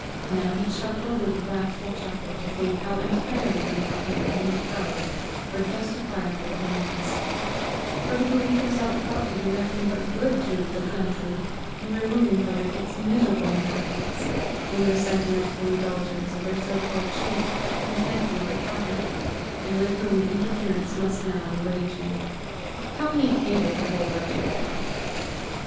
Now he chuckled with wrathful chuckle to think how entirely he had him in his power for justifiable annoyance; for he believed himself about to do nothing but good to THE COUNTRY in removing from it its miserable inhabitants, whom the sentimental indulgence of their so called chief kept contented with their poverty, and with whom interference must now enrage him. How he hated the whole wretched pack!